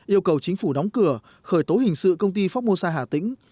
yêu cầu chính phủ đóng cửa khởi tố hình sự công ty formosa hà tĩnh